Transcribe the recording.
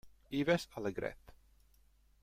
Yves Allégret